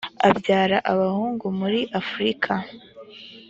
abyara abahungu m muri afurika